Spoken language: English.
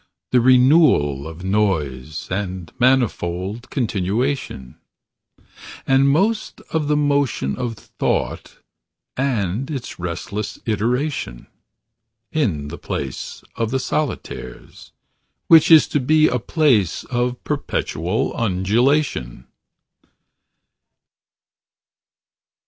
The renewal of noise And manifold continuation; And, most, of the motion of thought And its restless iteration. In the place of the solitaires. Which is to be a place of perpetual undulation.